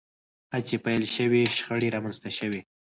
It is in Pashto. هڅې پیل شوې شخړې رامنځته شوې